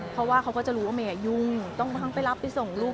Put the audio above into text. เพราะว่าเขาก็จะรู้ว่าเมยยุ่งต้องทั้งไปรับไปส่งลูก